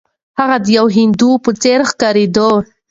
هغه د یوې هندوې په څیر ښکاریده.